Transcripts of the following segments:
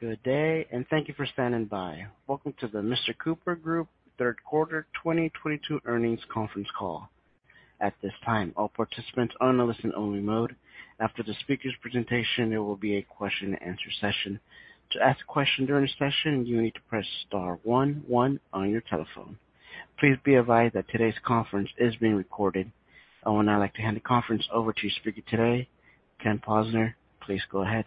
Good day, and thank you for standing by. Welcome to the Mr. Cooper Group Third Quarter 2022 earnings Conference Call. At this time, all participants are in a listen only mode. After the speaker's presentation, there will be a question-and-answer session. To ask a question during the session, you need to press star one one on your telephone. Please be advised that today's conference is being recorded. I would now like to hand the conference over to speaker today, Ken Posner. Please go ahead.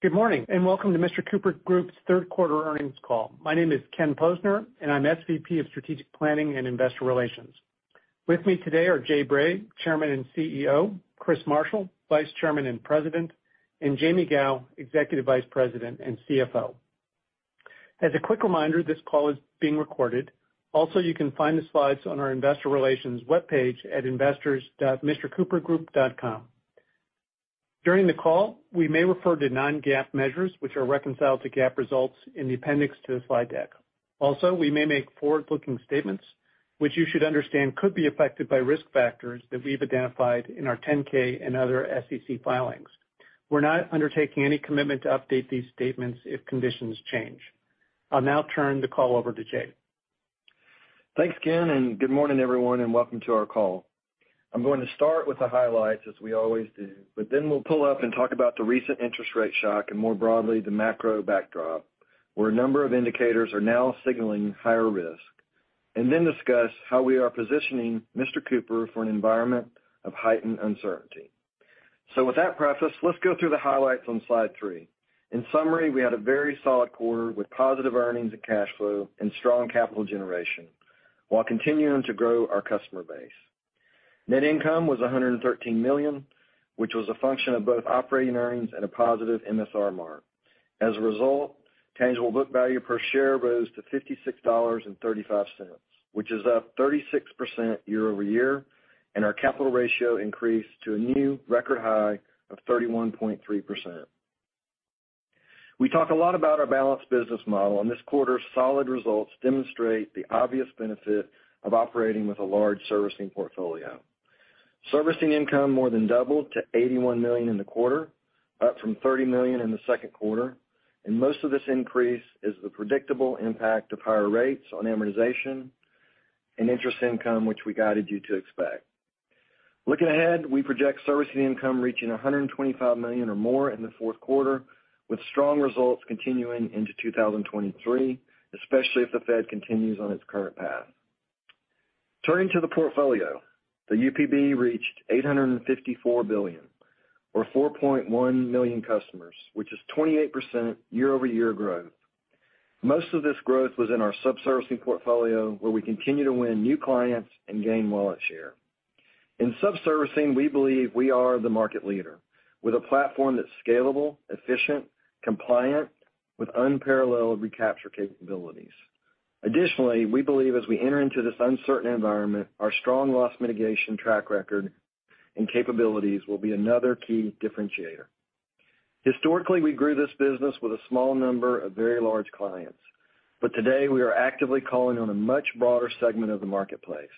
Good morning, and welcome to Mr. Cooper Group's third quarter earnings call. My name is Ken Posner, and I'm SVP of Strategic Planning and Investor Relations. With me today are Jay Bray, Chairman and CEO, Chris Marshall, Vice Chairman and President, and Jaime Gow, Executive Vice President and CFO. As a quick reminder, this call is being recorded. Also, you can find the slides on our investor relations webpage at investors.mrcoopergroup.com. During the call, we may refer to non-GAAP measures which are reconciled to GAAP results in the appendix to the slide deck. Also, we may make forward-looking statements, which you should understand could be affected by risk factors that we've identified in our 10-K and other SEC filings. We're not undertaking any commitment to update these statements if conditions change. I'll now turn the call over to Jay. Thanks, Ken, and good morning, everyone, and welcome to our call. I'm going to start with the highlights, as we always do, but then we'll pull up and talk about the recent interest rate shock and more broadly, the macro backdrop, where a number of indicators are now signaling higher risk, and then discuss how we are positioning Mr. Cooper for an environment of heightened uncertainty. With that preface, let's go through the highlights on slide three. In summary, we had a very solid quarter with positive earnings and cash flow and strong capital generation, while continuing to grow our customer base. Net income was $113 million, which was a function of both operating earnings and a positive MSR mark. As a result, tangible book value per share rose to $56.35, which is up 36% year-over-year, and our capital ratio increased to a new record high of 31.3%. We talk a lot about our balanced business model, and this quarter's solid results demonstrate the obvious benefit of operating with a large servicing portfolio. Servicing income more than doubled to $81 million in the quarter, up from $30 million in the second quarter. Most of this increase is the predictable impact of higher rates on amortization and interest income, which we guided you to expect. Looking ahead, we project servicing income reaching $125 million or more in the fourth quarter, with strong results continuing into 2023, especially if the Fed continues on its current path. Turning to the portfolio, the UPB reached $854 billion or 4.1 million customers, which is 28% year-over-year growth. Most of this growth was in our sub-servicing portfolio, where we continue to win new clients and gain wallet share. In sub-servicing, we believe we are the market leader with a platform that's scalable, efficient, compliant with unparalleled recapture capabilities. Additionally, we believe as we enter into this uncertain environment, our strong loss mitigation track record and capabilities will be another key differentiator. Historically, we grew this business with a small number of very large clients. Today, we are actively calling on a much broader segment of the marketplace.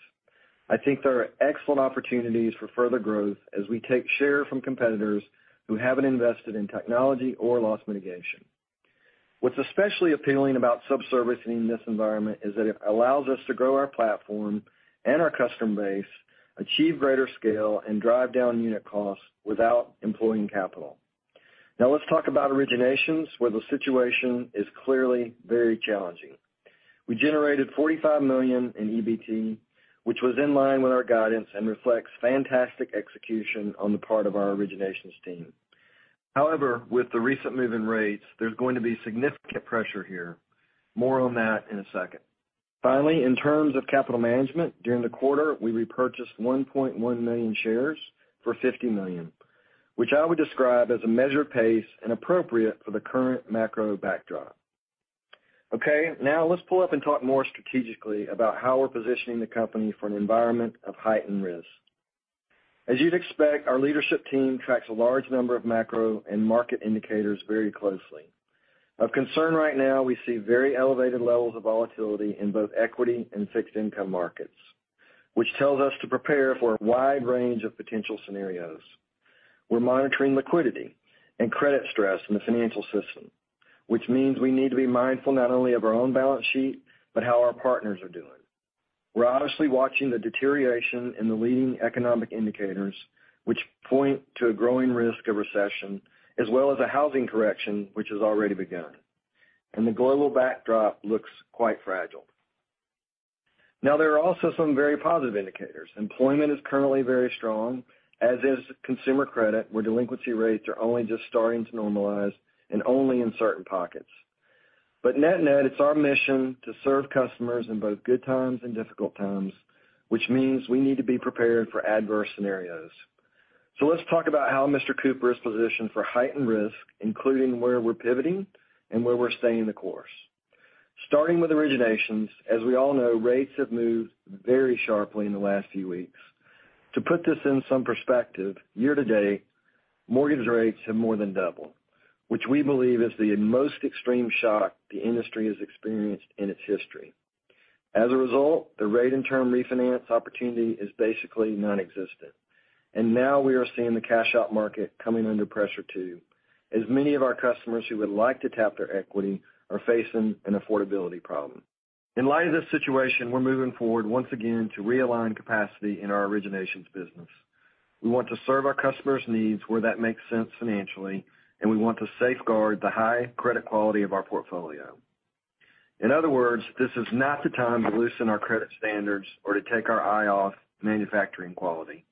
I think there are excellent opportunities for further growth as we take share from competitors who haven't invested in technology or loss mitigation. What's especially appealing about sub-servicing in this environment is that it allows us to grow our platform and our customer base, achieve greater scale, and drive down unit costs without employing capital. Now let's talk about originations, where the situation is clearly very challenging. We generated $45 million in EBT, which was in line with our guidance and reflects fantastic execution on the part of our originations team. However, with the recent move in rates, there's going to be significant pressure here. More on that in a second. Finally, in terms of capital management, during the quarter, we repurchased 1.1 million shares for $50 million, which I would describe as a measured pace and appropriate for the current macro backdrop. Okay, now let's pull up and talk more strategically about how we're positioning the company for an environment of heightened risk. As you'd expect, our leadership team tracks a large number of macro and market indicators very closely. Of concern right now, we see very elevated levels of volatility in both equity and fixed income markets, which tells us to prepare for a wide range of potential scenarios. We're monitoring liquidity and credit stress in the financial system, which means we need to be mindful not only of our own balance sheet, but how our partners are doing. We're obviously watching the deterioration in the leading economic indicators, which point to a growing risk of recession, as well as a housing correction, which has already begun. The global backdrop looks quite fragile. Now, there are also some very positive indicators. Employment is currently very strong, as is consumer credit, where delinquency rates are only just starting to normalize and only in certain pockets. Net-net, it's our mission to serve customers in both good times and difficult times, which means we need to be prepared for adverse scenarios. Let's talk about how Mr. Cooper is positioned for heightened risk, including where we're pivoting and where we're staying the course. Starting with originations, as we all know, rates have moved very sharply in the last few weeks. To put this in some perspective, year to date, mortgage rates have more than doubled, which we believe is the most extreme shock the industry has experienced in its history. As a result, the rate in term refinance opportunity is basically nonexistent. Now we are seeing the cash out market coming under pressure too, as many of our customers who would like to tap their equity are facing an affordability problem. In light of this situation, we're moving forward once again to realign capacity in our originations business. We want to serve our customers' needs where that makes sense financially, and we want to safeguard the high credit quality of our portfolio. In other words, this is not the time to loosen our credit standards or to take our eye off manufacturing quality.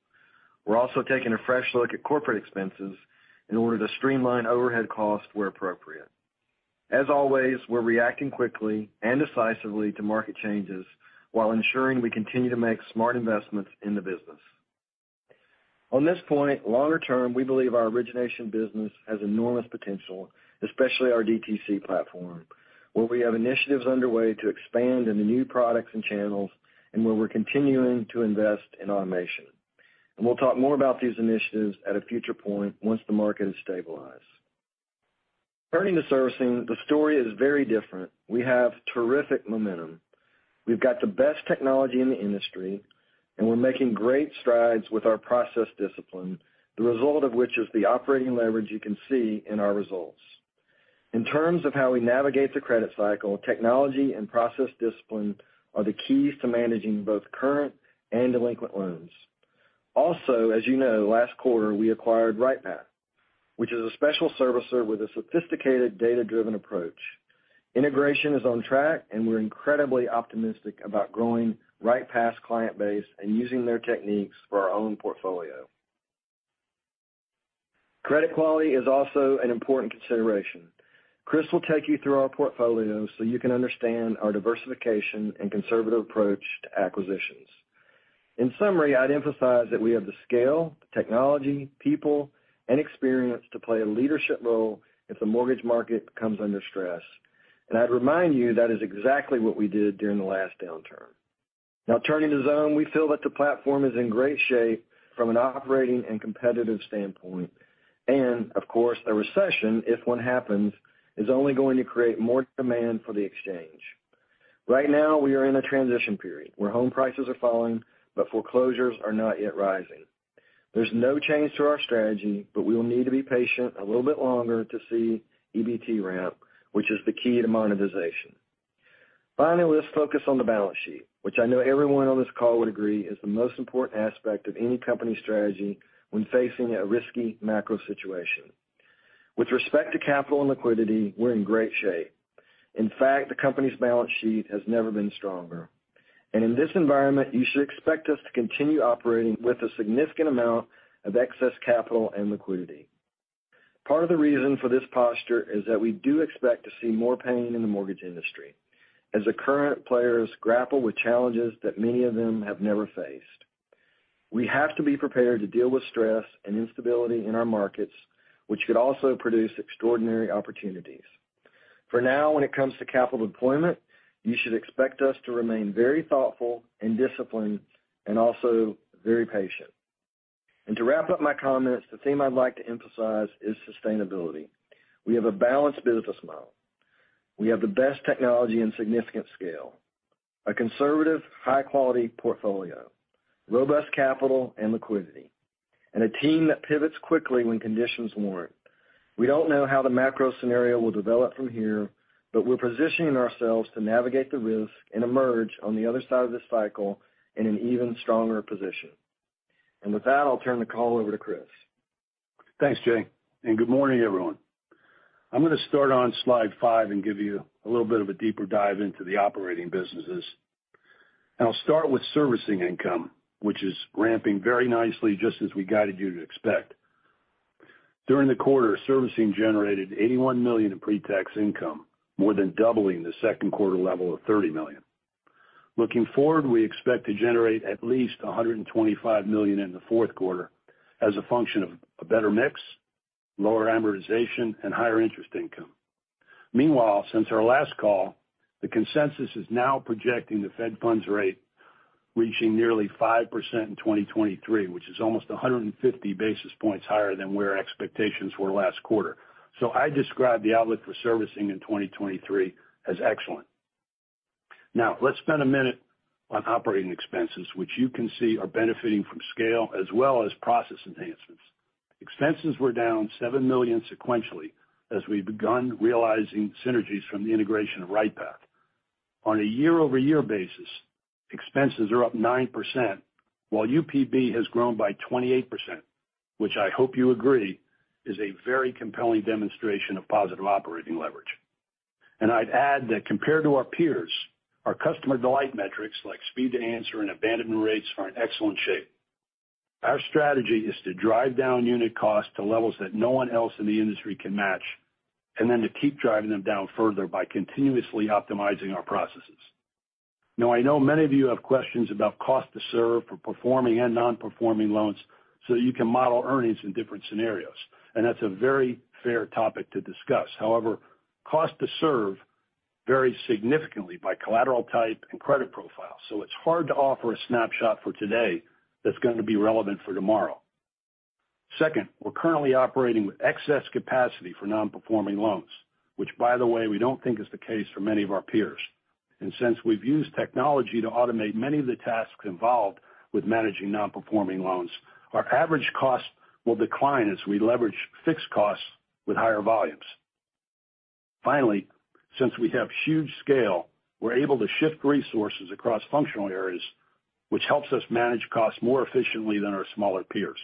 We're also taking a fresh look at corporate expenses in order to streamline overhead costs where appropriate. As always, we're reacting quickly and decisively to market changes while ensuring we continue to make smart investments in the business. On this point, longer term, we believe our origination business has enormous potential, especially our DTC platform, where we have initiatives underway to expand into new products and channels and where we're continuing to invest in automation. We'll talk more about these initiatives at a future point once the market has stabilized. Turning to servicing, the story is very different. We have terrific momentum. We've got the best technology in the industry, and we're making great strides with our process discipline, the result of which is the operating leverage you can see in our results. In terms of how we navigate the credit cycle, technology and process discipline are the keys to managing both current and delinquent loans. Also, as you know, last quarter, we acquired RightPath, which is a special servicer with a sophisticated data-driven approach. Integration is on track, and we're incredibly optimistic about growing RightPath's client base and using their techniques for our own portfolio. Credit quality is also an important consideration. Chris will take you through our portfolio so you can understand our diversification and conservative approach to acquisitions. In summary, I'd emphasize that we have the scale, technology, people, and experience to play a leadership role if the mortgage market comes under stress. I'd remind you that is exactly what we did during the last downturn. Now turning to Xome, we feel that the platform is in great shape from an operating and competitive standpoint. Of course, the recession, if one happens, is only going to create more demand for the exchange. Right now, we are in a transition period where home prices are falling, but foreclosures are not yet rising. There's no change to our strategy, but we will need to be patient a little bit longer to see EBT ramp, which is the key to monetization. Finally, let's focus on the balance sheet, which I know everyone on this call would agree is the most important aspect of any company strategy when facing a risky macro situation. With respect to capital and liquidity, we're in great shape. In fact, the company's balance sheet has never been stronger. In this environment, you should expect us to continue operating with a significant amount of excess capital and liquidity. Part of the reason for this posture is that we do expect to see more pain in the mortgage industry as the current players grapple with challenges that many of them have never faced. We have to be prepared to deal with stress and instability in our markets, which could also produce extraordinary opportunities. For now, when it comes to capital deployment, you should expect us to remain very thoughtful and disciplined and also very patient. To wrap up my comments, the theme I'd like to emphasize is sustainability. We have a balanced business model. We have the best technology and significant scale, a conservative high-quality portfolio, robust capital and liquidity, and a team that pivots quickly when conditions warrant. We don't know how the macro scenario will develop from here, but we're positioning ourselves to navigate the risk and emerge on the other side of this cycle in an even stronger position. With that, I'll turn the call over to Chris. Thanks, Jay, and good morning, everyone. I'm gonna start on slide 5 and give you a little bit of a deeper dive into the operating businesses. I'll start with servicing income, which is ramping very nicely just as we guided you to expect. During the quarter, servicing generated $81 million in pretax income, more than doubling the second quarter level of $30 million. Looking forward, we expect to generate at least $125 million in the fourth quarter as a function of a better mix, lower amortization, and higher interest income. Meanwhile, since our last call, the consensus is now projecting the Fed funds rate reaching nearly 5% in 2023, which is almost 150 basis points higher than where expectations were last quarter. I describe the outlook for servicing in 2023 as excellent. Now, let's spend a minute on operating expenses, which you can see are benefiting from scale as well as process enhancements. Expenses were down $7 million sequentially as we've begun realizing synergies from the integration of RightPath. On a year-over-year basis, expenses are up 9%, while UPB has grown by 28%, which I hope you agree is a very compelling demonstration of positive operating leverage. I'd add that compared to our peers, our customer delight metrics like speed to answer and abandonment rates are in excellent shape. Our strategy is to drive down unit cost to levels that no one else in the industry can match, and then to keep driving them down further by continuously optimizing our processes. Now, I know many of you have questions about cost to serve for performing and non-performing loans so you can model earnings in different scenarios, and that's a very fair topic to discuss. However, cost to serve varies significantly by collateral type and credit profile, so it's hard to offer a snapshot for today that's gonna be relevant for tomorrow. Second, we're currently operating with excess capacity for non-performing loans, which by the way, we don't think is the case for many of our peers. Since we've used technology to automate many of the tasks involved with managing non-performing loans, our average cost will decline as we leverage fixed costs with higher volumes. Finally, since we have huge scale, we're able to shift resources across functional areas, which helps us manage costs more efficiently than our smaller peers.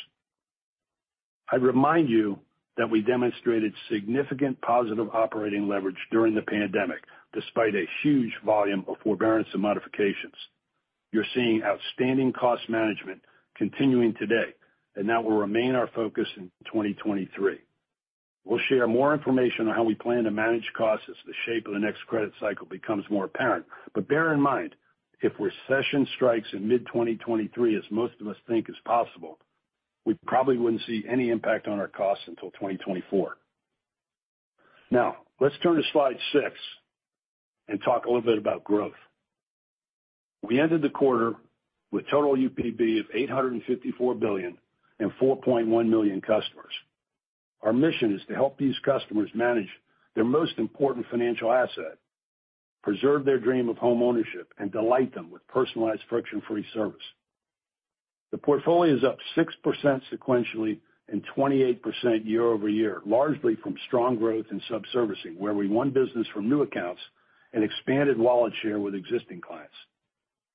I remind you that we demonstrated significant positive operating leverage during the pandemic, despite a huge volume of forbearance and modifications. You're seeing outstanding cost management continuing today, and that will remain our focus in 2023. We'll share more information on how we plan to manage costs as the shape of the next credit cycle becomes more apparent. Bear in mind, if recession strikes in mid-2023, as most of us think is possible, we probably wouldn't see any impact on our costs until 2024. Now, let's turn to slide 6 and talk a little bit about growth. We ended the quarter with total UPB of $854 billion and 4.1 million customers. Our mission is to help these customers manage their most important financial asset, preserve their dream of homeownership, and delight them with personalized friction-free service. The portfolio is up 6% sequentially and 28% year-over-year, largely from strong growth in subservicing, where we won business from new accounts and expanded wallet share with existing clients.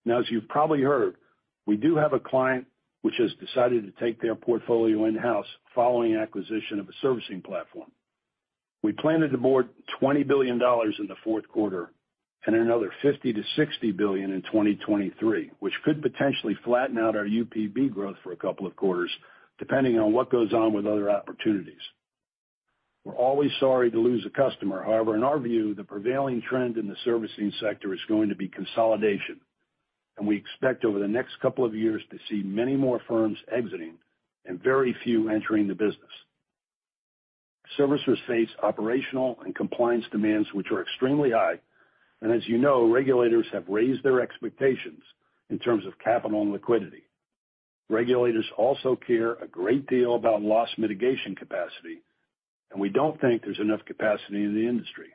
Now as you've probably heard, we do have a client which has decided to take their portfolio in-house following acquisition of a servicing platform. We plan to board $20 billion in the fourth quarter and another $50-$60 billion in 2023, which could potentially flatten out our UPB growth for a couple of quarters, depending on what goes on with other opportunities. We're always sorry to lose a customer. However, in our view, the prevailing trend in the servicing sector is going to be consolidation, and we expect over the next couple of years to see many more firms exiting and very few entering the business. Servicers face operational and compliance demands which are extremely high. As you know, regulators have raised their expectations in terms of capital and liquidity. Regulators also care a great deal about loss mitigation capacity, and we don't think there's enough capacity in the industry.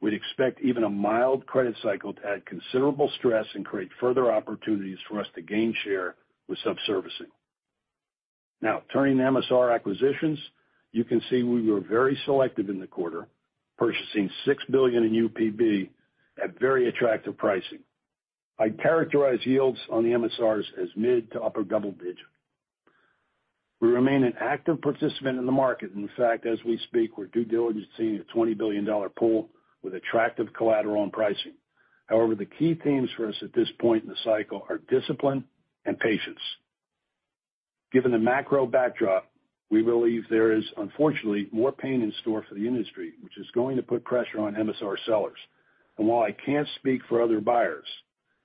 We'd expect even a mild credit cycle to add considerable stress and create further opportunities for us to gain share with subservicing. Now, turning to MSR acquisitions, you can see we were very selective in the quarter, purchasing $6 billion in UPB at very attractive pricing. I'd characterize yields on the MSRs as mid to upper-double-digit. We remain an active participant in the market. In fact, as we speak, we're due diligencing a $20 billion pool with attractive collateral and pricing. However, the key themes for us at this point in the cycle are discipline and patience. Given the macro backdrop, we believe there is unfortunately more pain in store for the industry, which is going to put pressure on MSR sellers. While I can't speak for other buyers,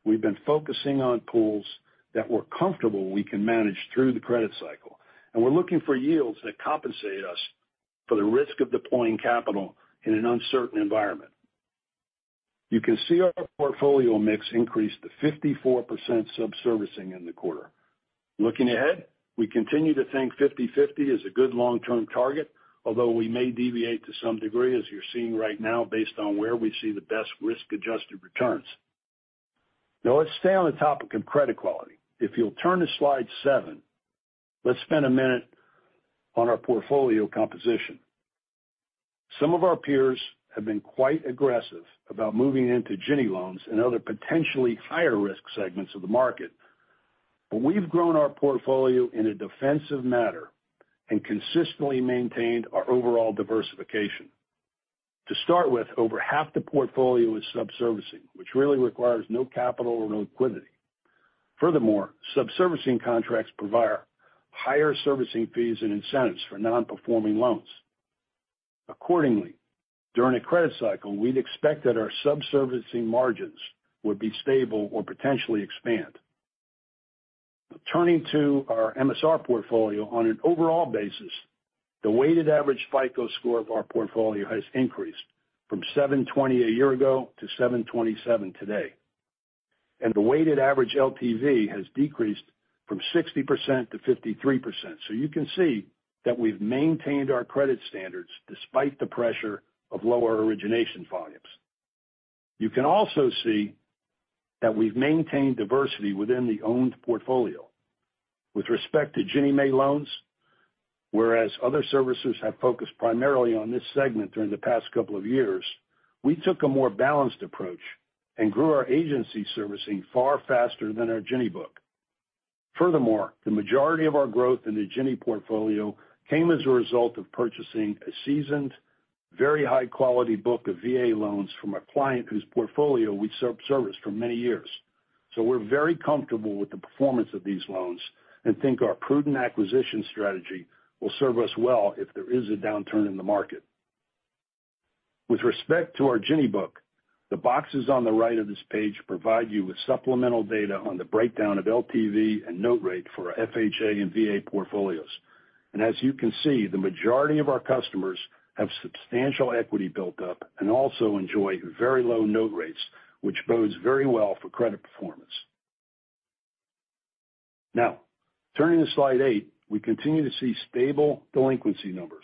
we've been focusing on pools that we're comfortable we can manage through the credit cycle, and we're looking for yields that compensate us for the risk of deploying capital in an uncertain environment. You can see our portfolio mix increased to 54% subservicing in the quarter. Looking ahead, we continue to think 50/50 is a good long-term target, although we may deviate to some degree, as you're seeing right now based on where we see the best risk-adjusted returns. Now let's stay on the topic of credit quality. If you'll turn to slide 7, let's spend a minute on our portfolio composition. Some of our peers have been quite aggressive about moving into Ginnie loans and other potentially higher-risk segments of the market. We've grown our portfolio in a defensive manner and consistently maintained our overall diversification. To start with, over half the portfolio is subservicing, which really requires no capital or no liquidity. Furthermore, subservicing contracts provide higher servicing fees and incentives for non-performing loans. Accordingly, during a credit cycle, we'd expect that our subservicing margins would be stable or potentially expand. Turning to our MSR portfolio, on an overall basis, the weighted average FICO score of our portfolio has increased from 720 a year ago to 727 today. The weighted average LTV has decreased from 60%-53%. You can see that we've maintained our credit standards despite the pressure of lower origination volumes. You can also see that we've maintained diversity within the owned portfolio. With respect to Ginnie Mae loans, whereas other services have focused primarily on this segment during the past couple of years, we took a more balanced approach and grew our agency servicing far faster than our Ginnie book. Furthermore, the majority of our growth in the Ginnie portfolio came as a result of purchasing a seasoned, very high-quality book of VA loans from a client whose portfolio we've serviced for many years. We're very comfortable with the performance of these loans and think our prudent acquisition strategy will serve us well if there is a downturn in the market. With respect to our Ginnie book, the boxes on the right of this page provide you with supplemental data on the breakdown of LTV and note rate for our FHA and VA portfolios. As you can see, the majority of our customers have substantial equity built up and also enjoy very low note rates, which bodes very well for credit performance. Now turning to slide eight, we continue to see stable delinquency numbers.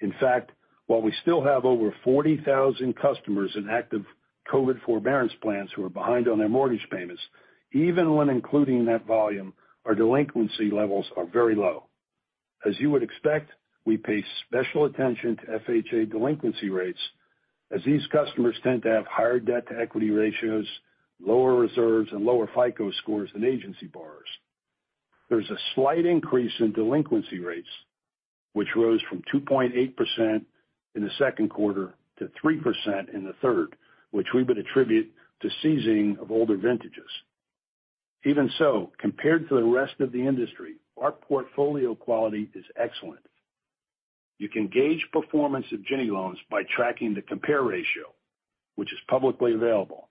In fact, while we still have over 40,000 customers in active COVID forbearance plans who are behind on their mortgage payments, even when including that volume, our delinquency levels are very low. As you would expect, we pay special attention to FHA delinquency rates as these customers tend to have higher debt to equity ratios, lower reserves and lower FICO scores than agency borrowers. There's a slight increase in delinquency rates, which rose from 2.8% in the second quarter to 3% in the third, which we would attribute to seasoning of older vintages. Even so, compared to the rest of the industry, our portfolio quality is excellent. You can gauge performance of Ginnie loans by tracking the compare ratio, which is publicly available.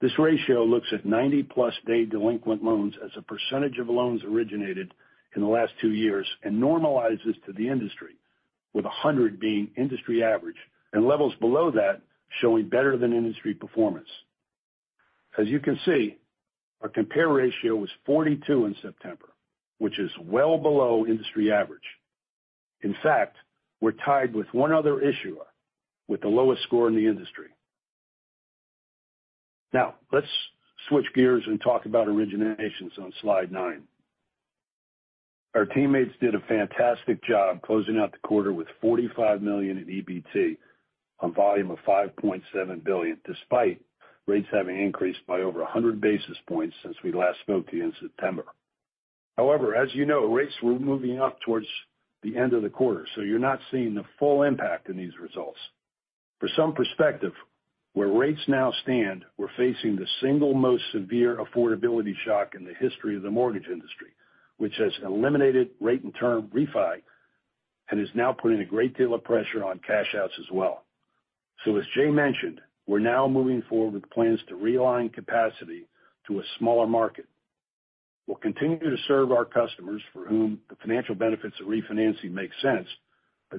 This ratio looks at 90+ day delinquent loans as a percentage of loans originated in the last two years and normalizes to the industry, with 100 being industry average and levels below that showing better than industry performance. As you can see, our compare ratio was 42 in September, which is well below industry average. In fact, we're tied with one other issuer with the lowest score in the industry. Now let's switch gears and talk about originations on slide 9. Our teammates did a fantastic job closing out the quarter with $45 million in EBT on volume of $5.7 billion, despite rates having increased by over 100 basis points since we last spoke to you in September. However, as you know, rates were moving up towards the end of the quarter, so you're not seeing the full impact in these results. For some perspective, where rates now stand, we're facing the single most severe affordability shock in the history of the mortgage industry, which has eliminated rate and term refi and is now putting a great deal of pressure on cash outs as well. As Jay mentioned, we're now moving forward with plans to realign capacity to a smaller market. We'll continue to serve our customers for whom the financial benefits of refinancing make sense.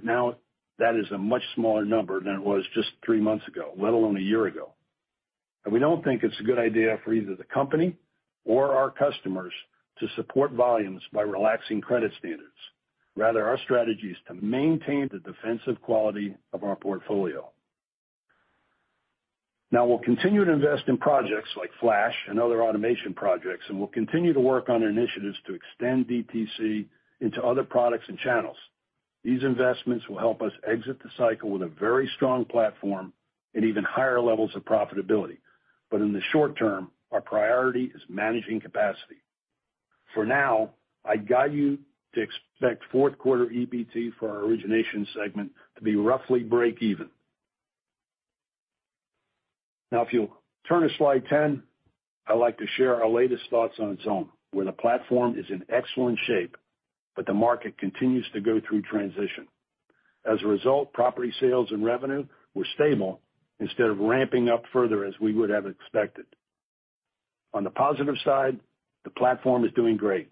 Now that is a much smaller number than it was just three months ago, let alone a year ago. We don't think it's a good idea for either the company or our customers to support volumes by relaxing credit standards. Rather, our strategy is to maintain the defensive quality of our portfolio. Now, we'll continue to invest in projects like Flash and other automation projects, and we'll continue to work on initiatives to extend DTC into other products and channels. These investments will help us exit the cycle with a very strong platform and even higher levels of profitability. In the short term, our priority is managing capacity. For now, I guide you to expect fourth quarter EBT for our origination segment to be roughly break even. Now, if you'll turn to slide 10, I'd like to share our latest thoughts on Xome, where the platform is in excellent shape, but the market continues to go through transition. As a result, property sales and revenue were stable instead of ramping up further as we would have expected. On the positive side, the platform is doing great.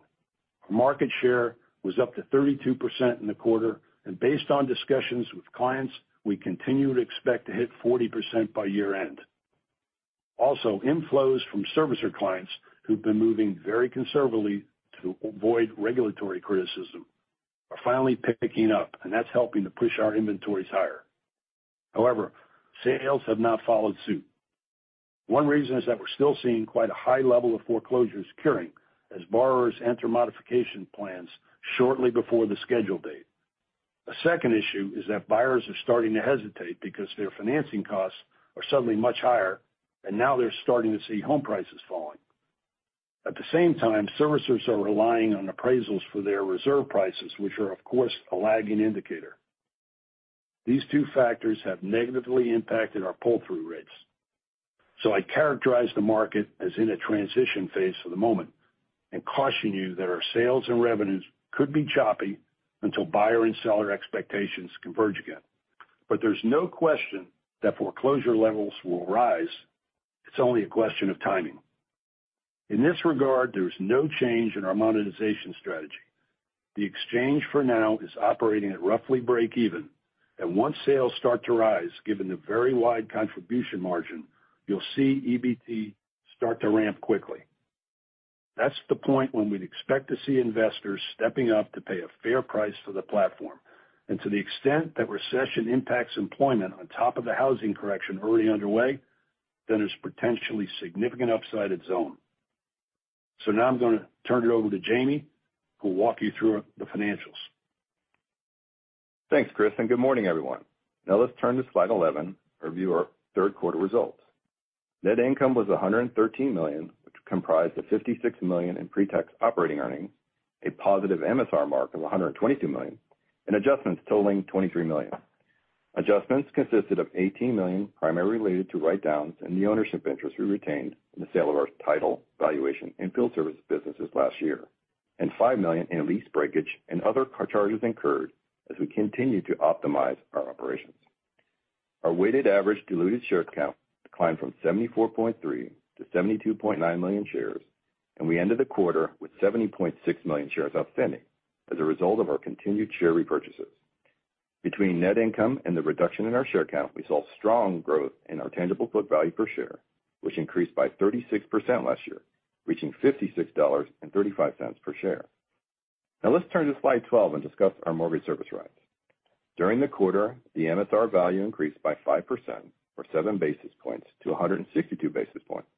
Our market share was up to 32% in the quarter, and based on discussions with clients, we continue to expect to hit 40% by year end. Also, inflows from servicer clients who've been moving very conservatively to avoid regulatory criticism are finally picking up, and that's helping to push our inventories higher. However, sales have not followed suit. One reason is that we're still seeing quite a high level of foreclosures curing as borrowers enter modification plans shortly before the schedule date. A second issue is that buyers are starting to hesitate because their financing costs are suddenly much higher and now they're starting to see home prices falling. At the same time, servicers are relying on appraisals for their reserve prices, which are of course, a lagging indicator. These two factors have negatively impacted our pull through rates. I characterize the market as in a transition phase for the moment and caution you that our sales and revenues could be choppy until buyer and seller expectations converge again. There's no question that foreclosure levels will rise. It's only a question of timing. In this regard, there is no change in our monetization strategy. The exchange for now is operating at roughly break even. Once sales start to rise, given the very wide contribution margin, you'll see EBT start to ramp quickly. That's the point when we'd expect to see investors stepping up to pay a fair price for the platform. To the extent that recession impacts employment on top of the housing correction already underway, then there's potentially significant upside at Xome. Now I'm going to turn it over to Jaime, who will walk you through the financials. Thanks, Chris, and good morning, everyone. Now let's turn to slide 11, review our third quarter results. Net income was $113 million, which comprised of $56 million in pre-tax operating earnings, a positive MSR mark of $122 million, and adjustments totaling $23 million. Adjustments consisted of $18 million primarily related to write downs and the ownership interest we retained in the sale of our title valuation and field service businesses last year. Five million in lease breakage and other charges incurred as we continue to optimize our operations. Our weighted average diluted share count declined from 74.3-72.9 million shares, and we ended the quarter with 70.6 million shares outstanding as a result of our continued share repurchases. Between net income and the reduction in our share count, we saw strong growth in our tangible book value per share, which increased by 36% last year, reaching $56.35 per share. Now let's turn to slide 12 and discuss our mortgage service rights. During the quarter, the MSR value increased by 5% or 7 basis points to 162 basis points,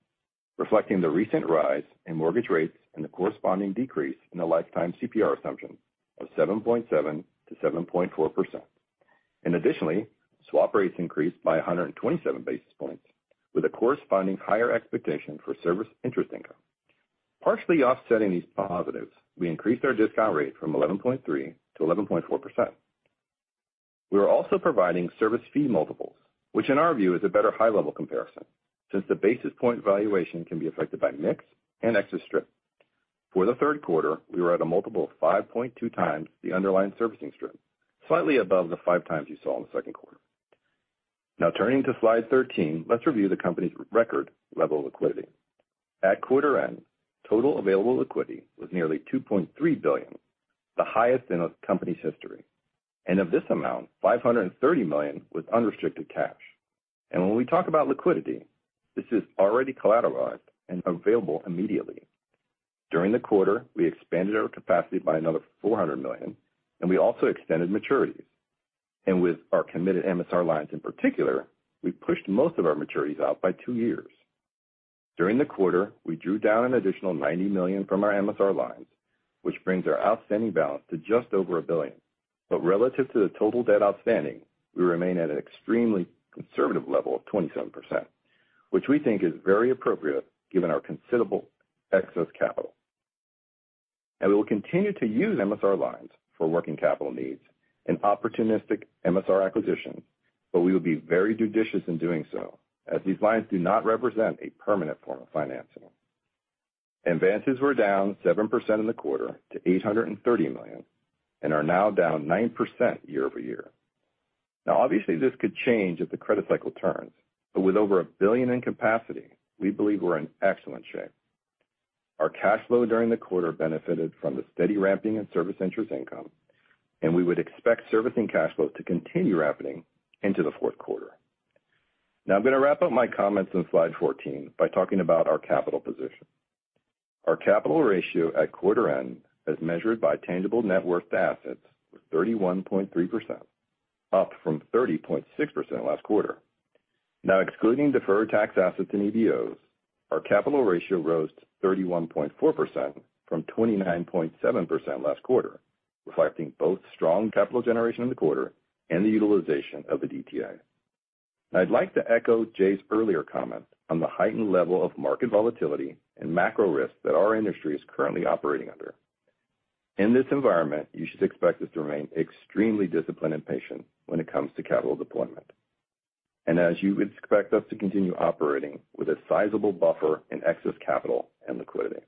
reflecting the recent rise in mortgage rates and the corresponding decrease in the lifetime CPR assumption of 7.7%-7.4%. Additionally, swap rates increased by 127 basis points with a corresponding higher expectation for service interest income. Partially offsetting these positives, we increased our discount rate from 11.3%-11.4%. We are also providing servicing fee multiples, which in our view is a better high-level comparison since the basis point valuation can be affected by mix and excess strip. For the third quarter, we were at a multiple of 5.2x the underlying servicing strip, slightly above the 5x you saw in the second quarter. Now turning to slide 13, let's review the company's record level of liquidity. At quarter end, total available liquidity was nearly $2.3 billion, the highest in the company's history. Of this amount, $530 million was unrestricted cash. When we talk about liquidity, this is already collateralized and available immediately. During the quarter, we expanded our capacity by another $400 million, and we also extended maturities. With our committed MSR lines in particular, we pushed most of our maturities out by two years. During the quarter, we drew down an additional $90 million from our MSR lines, which brings our outstanding balance to just over $1 billion. Relative to the total debt outstanding, we remain at an extremely conservative level of 27%, which we think is very appropriate given our considerable excess capital. We will continue to use MSR lines for working capital needs and opportunistic MSR acquisitions, but we will be very judicious in doing so as these lines do not represent a permanent form of financing. Advances were down 7% in the quarter to $830 million and are now down 9% year-over-year. Now obviously this could change if the credit cycle turns, but with over $1 billion in capacity, we believe we're in excellent shape. Our cash flow during the quarter benefited from the steady ramping and servicing interest income, and we would expect servicing cash flow to continue ramping into the fourth quarter. Now I'm gonna wrap up my comments on slide 14 by talking about our capital position. Our capital ratio at quarter end, as measured by tangible net worth to assets, was 31.3%, up from 30.6% last quarter. Now excluding deferred tax assets and EBOs, our capital ratio rose to 31.4% from 29.7% last quarter, reflecting both strong capital generation in the quarter and the utilization of the DTA. I'd like to echo Jay's earlier comment on the heightened level of market volatility and macro risk that our industry is currently operating under. In this environment, you should expect us to remain extremely disciplined and patient when it comes to capital deployment. As you would expect us to continue operating with a sizable buffer in excess capital and liquidity.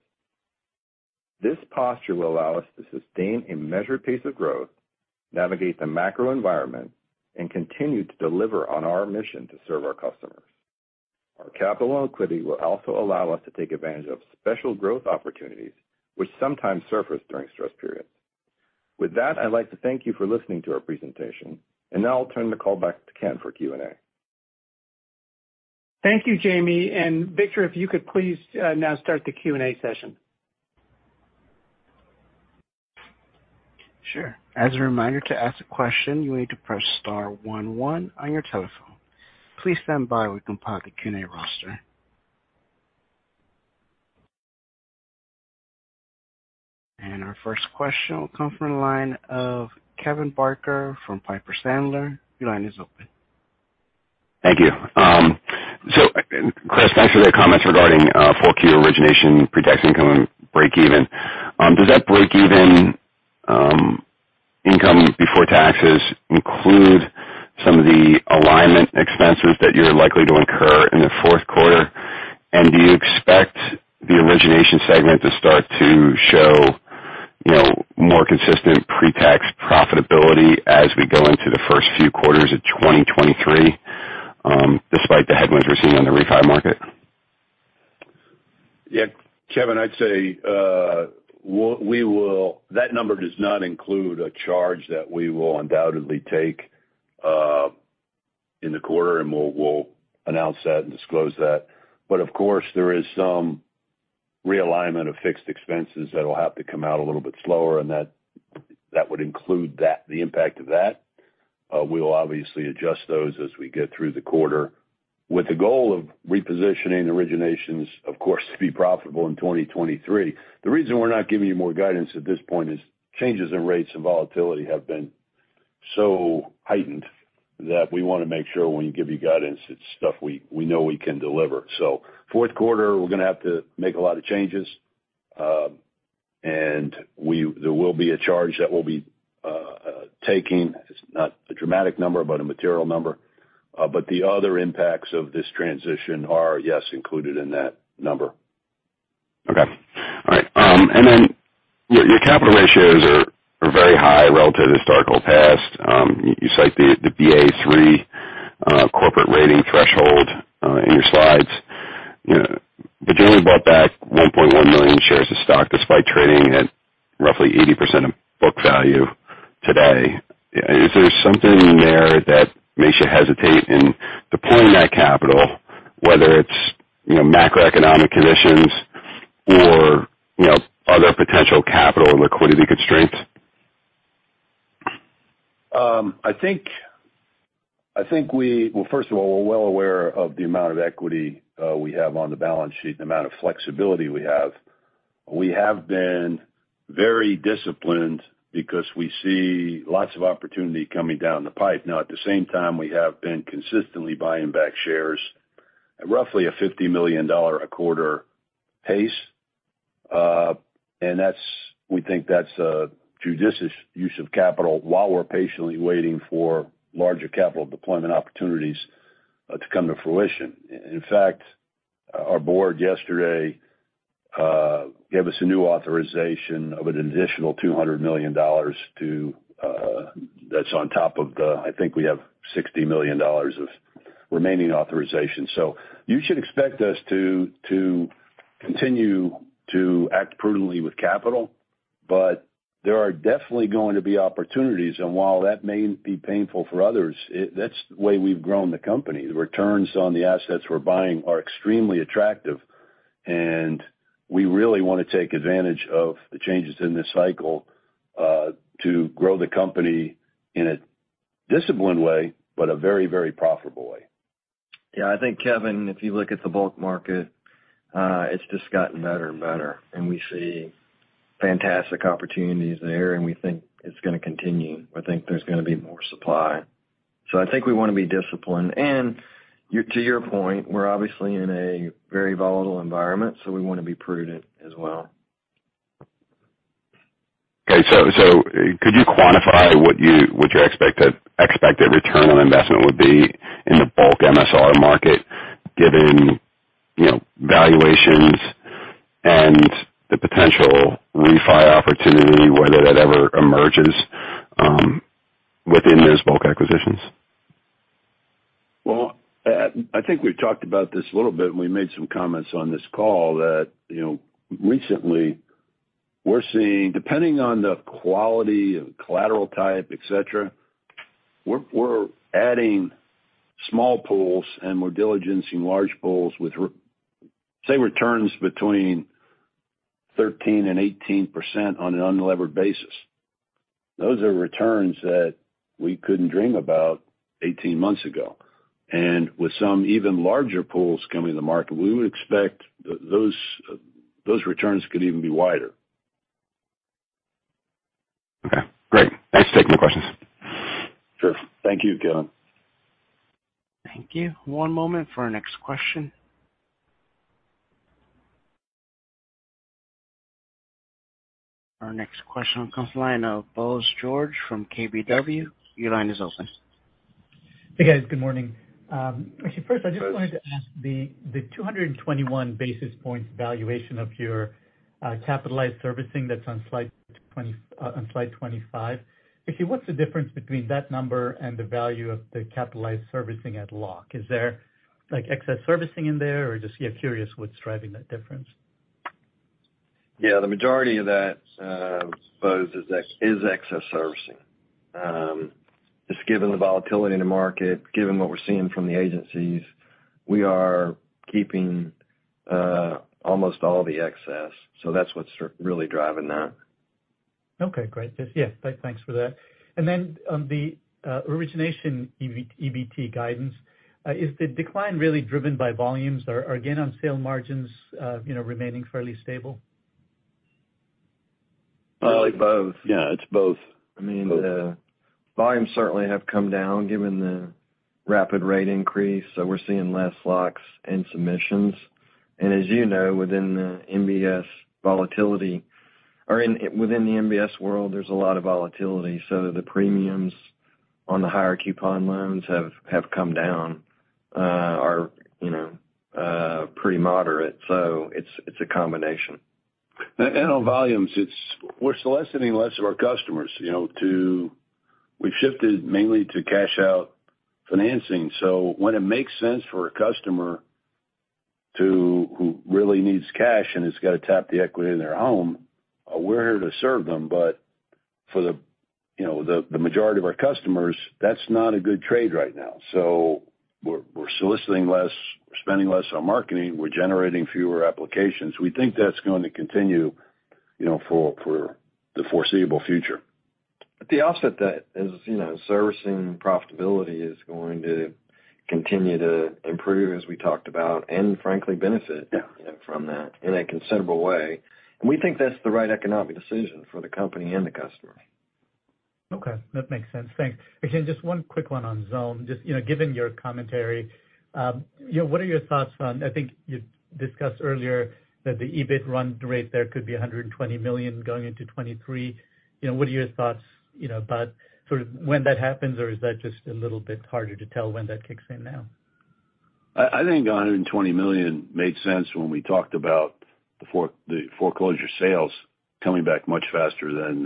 This posture will allow us to sustain a measured pace of growth, navigate the macro environment, and continue to deliver on our mission to serve our customers. Our capital and equity will also allow us to take advantage of special growth opportunities which sometimes surface during stress periods. With that, I'd like to thank you for listening to our presentation. Now I'll turn the call back to Ken for Q&A. Thank you, Jaime. Victor, if you could please, now start the Q&A session. Sure. As a reminder, to ask a question, you need to press star one one on your telephone. Please stand by while we compile the Q&A roster. Our first question will come from the line of Kevin Barker from Piper Sandler. Your line is open. Thank you. So Chris, thanks for the comments regarding full-year origination pre-tax income break-even. Does that break-even income before taxes include some of the alignment expenses that you're likely to incur in the fourth quarter? Do you expect the origination segment to start to show, you know, more consistent pre-tax profitability as we go into the first few quarters of 2023, despite the headwinds we're seeing on the refi market? Yeah, Kevin, I'd say that number does not include a charge that we will undoubtedly take in the quarter, and we'll announce that and disclose that. Of course, there is some realignment of fixed expenses that will have to come out a little bit slower, and that would include that, the impact of that. We will obviously adjust those as we get through the quarter with the goal of repositioning originations, of course, to be profitable in 2023. The reason we're not giving you more guidance at this point is changes in rates and volatility have been so heightened that we wanna make sure when we give you guidance, it's stuff we know we can deliver. Fourth quarter, we're gonna have to make a lot of changes, and there will be a charge that we'll be taking. It's not a dramatic number, but a material number. The other impacts of this transition are, yes, included in that number. Okay. All right. Your capital ratios are very high relative to historical past. You cite the Ba3 corporate rating threshold in your slides. You only bought back 1.1 million shares of stock despite trading at roughly 80% of book value today. Is there something there that makes you hesitate in deploying that capital, whether it's, you know, macroeconomic conditions or, you know, other potential capital and liquidity constraints? Well, first of all, we're well aware of the amount of equity we have on the balance sheet and the amount of flexibility we have. We have been very disciplined because we see lots of opportunity coming down the pipe. Now, at the same time, we have been consistently buying back shares at roughly a $50 million a quarter pace. We think that's a judicious use of capital while we're patiently waiting for larger capital deployment opportunities to come to fruition. In fact, our board yesterday gave us a new authorization of an additional $200 million that's on top of the. I think we have $60 million of remaining authorization. You should expect us to continue to act prudently with capital, but there are definitely going to be opportunities. While that may be painful for others, that's the way we've grown the company. The returns on the assets we're buying are extremely attractive, and we really wanna take advantage of the changes in this cycle, to grow the company in a disciplined way, but a very, very profitable way. Yeah, I think, Kevin, if you look at the bulk market, it's just gotten better and better. We see fantastic opportunities there, and we think it's gonna continue. I think there's gonna be more supply. I think we wanna be disciplined. To your point, we're obviously in a very volatile environment, so we wanna be prudent as well. Could you quantify what you would expect a return on investment would be in the bulk MSR market, given, you know, valuations and the potential refi opportunity, whether that ever emerges, within those bulk acquisitions? Well, I think we've talked about this a little bit, and we made some comments on this call that, you know, recently we're seeing, depending on the quality of collateral type, et cetera, we're adding small pools and we're diligencing large pools with, say, returns between 13% and 18% on an unlevered basis. Those are returns that we couldn't dream about 18 months ago. With some even larger pools coming to market, we would expect those returns could even be wider. Okay, great. Thanks for taking more questions. Sure. Thank you, Kevin. Thank you. One moment for our next question. Our next question comes from the line of Bose George from KBW. Your line is open. Hey, guys. Good morning. Actually, first, I just wanted to ask the 221 basis points valuation of your capitalized servicing that's on slide 25. Actually, what's the difference between that number and the value of the capitalized servicing at lock? Is there, like, excess servicing in there, or just, yeah, curious what's driving that difference. Yeah, the majority of that, Bose, is excess servicing. Just given the volatility in the market, given what we're seeing from the agencies, we are keeping almost all the excess. That's what's really driving that. Okay, great. Just, yeah, thanks for that. The origination EBT guidance, is the decline really driven by volumes? Are gain on sale margins, you know, remaining fairly stable? Probably both. Yeah, it's both. I mean, the volumes certainly have come down given the rapid rate increase, so we're seeing less locks and submissions. As you know, within the MBS world, there's a lot of volatility. The premiums on the higher coupon loans have come down, are, you know, pretty moderate. It's a combination. On volumes, it's we're soliciting less of our customers, you know. We've shifted mainly to cash out financing. When it makes sense for a customer who really needs cash and has got to tap the equity in their home, we're here to serve them. For the, you know, the majority of our customers, that's not a good trade right now. We're soliciting less, we're spending less on marketing, we're generating fewer applications. We think that's going to continue, you know, for the foreseeable future. The offset that is, you know, servicing profitability is going to continue to improve as we talked about and frankly benefit. Yeah.... from that in a considerable way. We think that's the right economic decision for the company and the customer. Okay, that makes sense. Thanks. Actually, just one quick one on Xome. Just, you know, given your commentary, you know, what are your thoughts on I think you discussed earlier that the EBIT run rate there could be $120 million going into 2023. You know, what are your thoughts, you know, about sort of when that happens, or is that just a little bit harder to tell when that kicks in now? I think $120 million made sense when we talked about the foreclosure sales coming back much faster than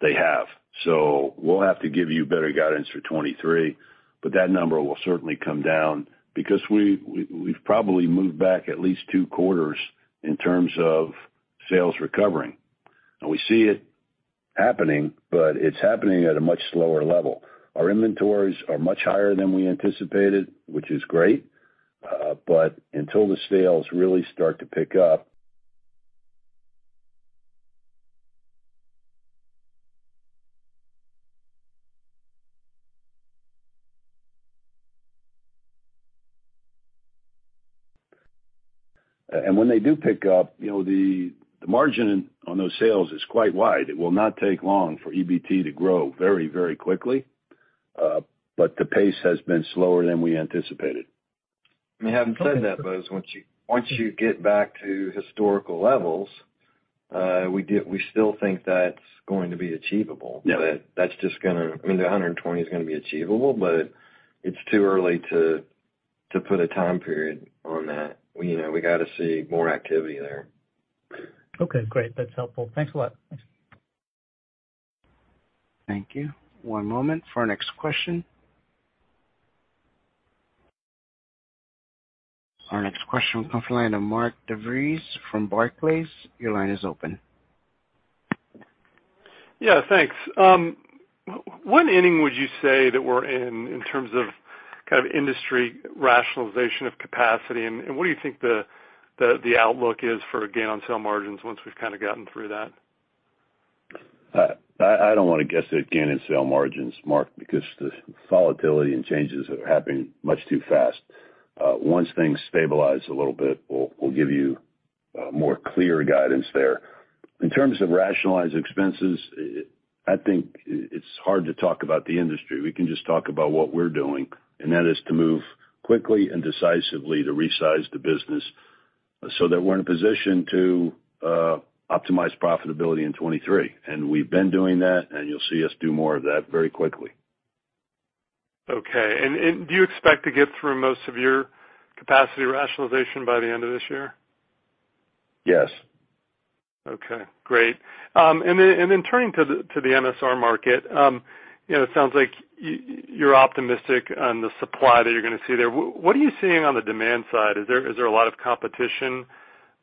they have. We'll have to give you better guidance for 2023, but that number will certainly come down because we've probably moved back at least two quarters in terms of sales recovering. We see it happening, but it's happening at a much slower level. Our inventories are much higher than we anticipated, which is great, but until the sales really start to pick up. When they do pick up, you know, the margin on those sales is quite wide. It will not take long for EBT to grow very, very quickly, but the pace has been slower than we anticipated. Having said that, Bose, once you get back to historical levels, we still think that's going to be achievable. Yeah. That's just gonna—I mean, the 120 is gonna be achievable, but it's too early to put a time period on that. You know, we got to see more activity there. Okay, great. That's helpful. Thanks a lot. Thank you. One moment for our next question. Our next question comes from the line of Mark DeVries from Barclays. Your line is open. Yeah, thanks. What inning would you say that we're in terms of kind of industry rationalization of capacity? What do you think the outlook is for gain on sale margins once we've kinda gotten through that? I don't wanna guess at gain on sale margins, Mark, because the volatility and changes are happening much too fast. Once things stabilize a little bit, we'll give you more clear guidance there. In terms of rationalized expenses, I think it's hard to talk about the industry. We can just talk about what we're doing, and that is to move quickly and decisively to resize the business so that we're in a position to optimize profitability in 2023. We've been doing that, and you'll see us do more of that very quickly. Okay. Do you expect to get through most of your capacity rationalization by the end of this year? Yes. Okay, great. Turning to the MSR market, you know, it sounds like you're optimistic on the supply that you're gonna see there. What are you seeing on the demand side? Is there a lot of competition,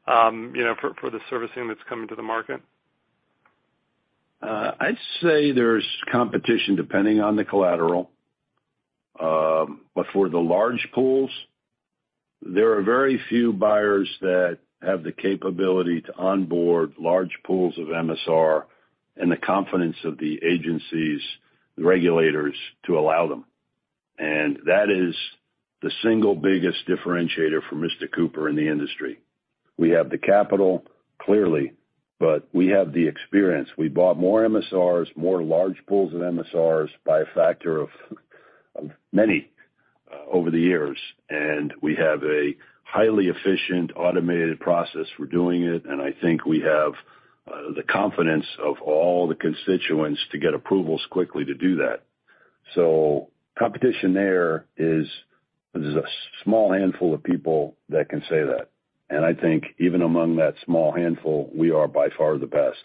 you know, for the servicing that's coming to the market? I'd say there's competition depending on the collateral. For the large pools, there are very few buyers that have the capability to onboard large pools of MSR and the confidence of the agencies, the regulators to allow them. That is the single biggest differentiator for Mr. Cooper in the industry. We have the capital, clearly, but we have the experience. We bought more MSRs, more large pools of MSRs by a factor of many over the years, and we have a highly efficient automated process for doing it. I think we have the confidence of all the constituents to get approvals quickly to do that. Competition there is, there's a small handful of people that can say that. I think even among that small handful, we are by far the best.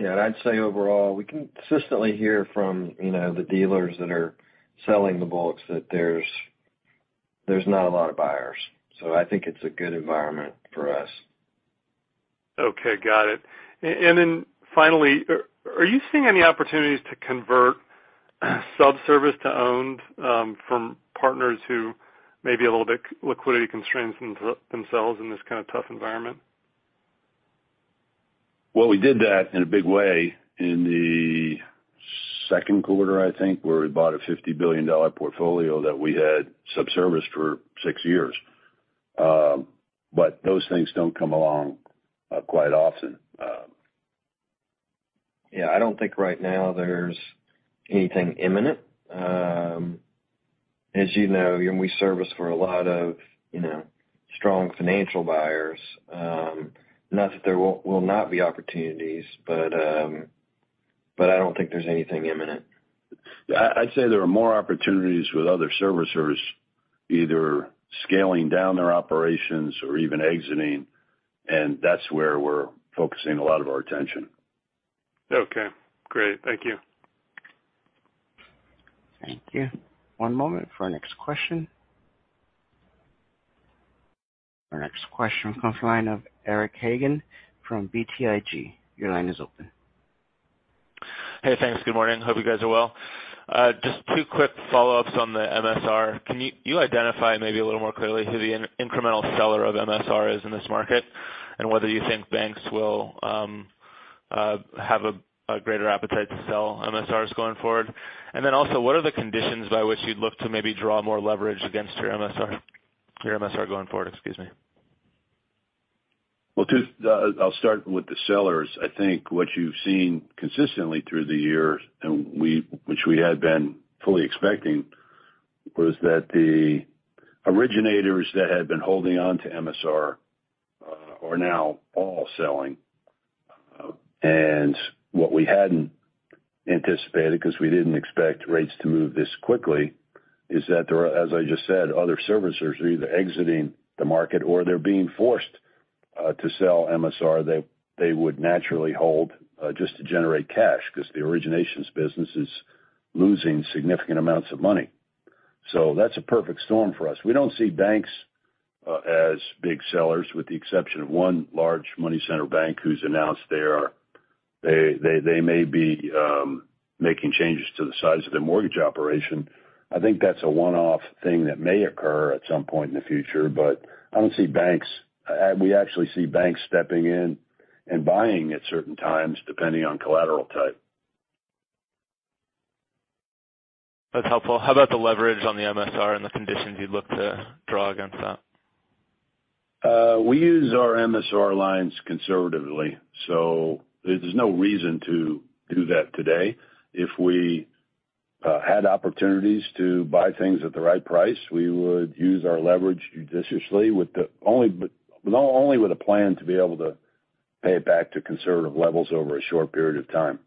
Yeah. I'd say overall, we can consistently hear from, you know, the dealers that are selling the books that there's not a lot of buyers. I think it's a good environment for us. Okay, got it. Finally, are you seeing any opportunities to convert subservice to owned, from partners who may be a little bit liquidity constrained themselves in this kinda tough environment? Well, we did that in a big way in the second quarter, I think, where we bought a $50 billion portfolio that we had subserviced for six years. Those things don't come along quite often. Yeah. I don't think right now there's anything imminent. As you know, we service for a lot of, you know, strong financial buyers. Not that there will not be opportunities, but I don't think there's anything imminent. I'd say there are more opportunities with other servicers either scaling down their operations or even exiting, and that's where we're focusing a lot of our attention. Okay, great. Thank you. Thank you. One moment for our next question. Our next question comes from the line of Eric Hagen from BTIG. Your line is open. Hey, thanks. Good morning. Hope you guys are well. Just two quick follow-ups on the MSR. Can you identify maybe a little more clearly who the incremental seller of MSR is in this market, and whether you think banks will have a greater appetite to sell MSRs going forward? Then also, what are the conditions by which you'd look to maybe draw more leverage against your MSR going forward? Excuse me. I'll start with the sellers. I think what you've seen consistently through the years, and which we had been fully expecting, was that the originators that had been holding on to MSR are now all selling. What we hadn't anticipated, because we didn't expect rates to move this quickly, is that there are, as I just said, other servicers are either exiting the market or they're being forced to sell MSR that they would naturally hold, just to generate cash because the originations business is losing significant amounts of money. That's a perfect storm for us. We don't see banks as big sellers, with the exception of one large money center bank who's announced they may be making changes to the size of their mortgage operation. I think that's a one-off thing that may occur at some point in the future, but I don't see banks. We actually see banks stepping in and buying at certain times, depending on collateral type. That's helpful. How about the leverage on the MSR and the conditions you'd look to draw against that? We use our MSR lines conservatively, so there's no reason to do that today. If we had opportunities to buy things at the right price, we would use our leverage judiciously only with a plan to be able to pay it back to conservative levels over a short period of time.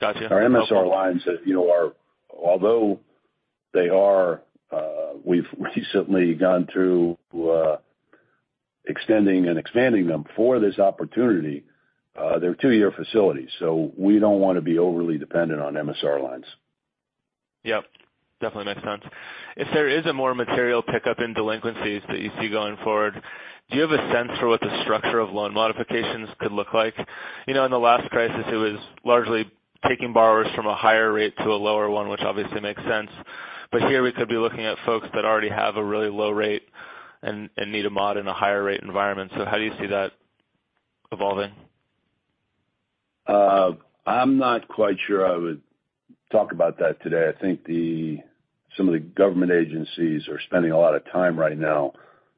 Got you. Our MSR lines that, you know, although they are, we've recently gone through extending and expanding them for this opportunity, they're two-year facilities, so we don't want to be overly dependent on MSR lines. Yep. Definitely makes sense. If there is a more material pickup in delinquencies that you see going forward, do you have a sense for what the structure of loan modifications could look like? You know, in the last crisis, it was largely taking borrowers from a higher rate to a lower one, which obviously makes sense. But here we could be looking at folks that already have a really low rate and need a mod in a higher rate environment. How do you see that evolving? I'm not quite sure I would talk about that today. I think some of the government agencies are spending a lot of time right now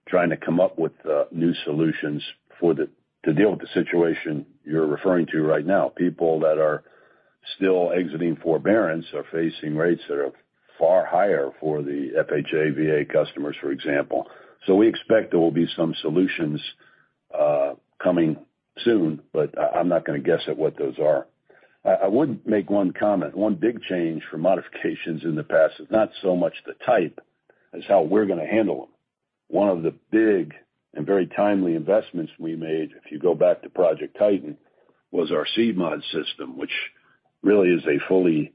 trying to come up with new solutions to deal with the situation you're referring to right now. People that are still exiting forbearance are facing rates that are far higher for the FHA, VA customers, for example. We expect there will be some solutions coming soon, but I'm not gonna guess at what those are. I would make one comment. One big change for modifications in the past is not so much the type as how we're gonna handle them. One of the big and very timely investments we made, if you go back to Project Titan, was our cMod system, which really is a fully